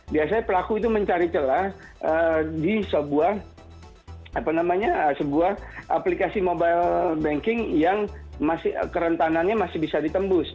biasanya pelaku itu mencari celah di sebuah aplikasi mobile banking yang kerentanannya masih bisa ditembus